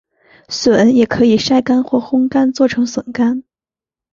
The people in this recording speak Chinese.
笋也可以晒干或烘干做成笋干。